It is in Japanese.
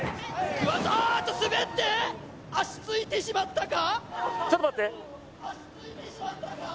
うわっ滑って足ついてしまったか？